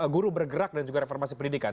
guru bergerak dan juga reformasi pendidikan